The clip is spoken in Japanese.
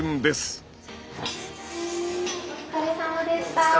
お疲れさまでした。